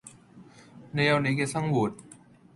你有你嘅生活